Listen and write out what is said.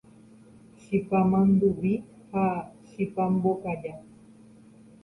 Chipa manduvi ha chipa mbokaja